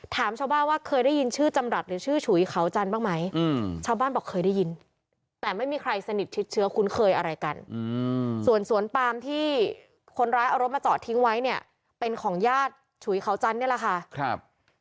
ถามชาวบ้านว่าเคยได้ยินชื่อจำรัฐหรือชื่อฉุยเขาจันทร์บ้างไหมชาวบ้านบอกเคยได้ยินแต่ไม่มีใครสนิทชิดเชื้อคุ้นเคยอะไรกันส่วนสวนปามที่คนร้ายเอารถมาจอดทิ้งไว้เนี่ยเป็นของญาติฉุยเขาจันทร์นี่แหละค่ะครับ